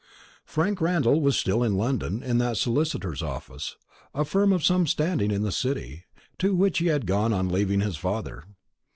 Frank Randall was still in London, in that solicitor's office a firm of some standing in the City to which he had gone on leaving his father.